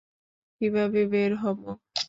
কীভাবে বের হবো?